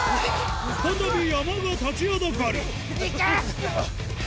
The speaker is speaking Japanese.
再び山が立ちはだかるいけ！